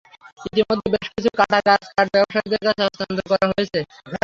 ইতিমধ্যে বেশ কিছু কাটা গাছ কাঠ ব্যবসায়ীদের কাছে হস্তান্তর করা হয়েছে।